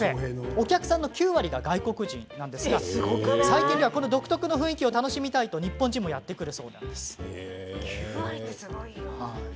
お客さんの９割が外国人ですが最近では、この独特の雰囲気を楽しみたいと日本人もやって来るそうです。